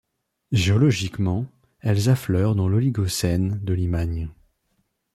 Géologiquement, elles affleurent dans l'Oligocène de Limagne.